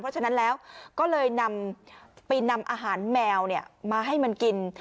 เพราะฉะนั้นแล้วก็เลยนำไปนำอาหารแมวมาให้มันกิน